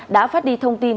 đã phát đi thông tin